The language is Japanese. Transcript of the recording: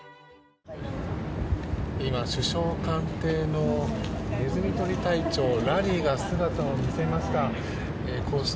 今、首相官邸のネズミ捕り隊長ラリーが姿を見せました。